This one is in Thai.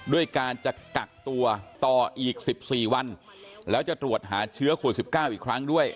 ด้วยการจะกักตัวต่ออีก๑๔วันแล้วจะตรวจหาเชื้อโควิด๑๙อีกครั้งด้วย